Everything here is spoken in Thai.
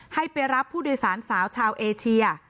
ให้ไปรับผู้โดยสารสาวชาวเอเชีย